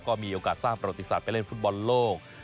ก็มีโอกาสสร้างประวัติศาสตร์ไปเล่นฟุตบอลโลก